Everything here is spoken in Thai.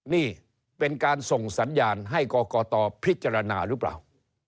นี่เป็นการส่งสัญญาณให้กรกตพิจารณาหรือเปล่า